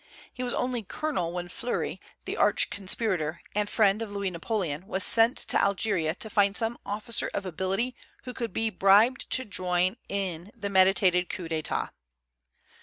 He was only colonel when Fleury, the arch conspirator and friend of Louis Napoleon, was sent to Algeria to find some officer of ability who could be bribed to join in the meditated coup d'état.